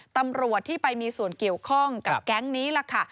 ตำรวจที่ไปมีส่วนเกี่ยวข้องกับแก๊งนี้ล่ะค่ะ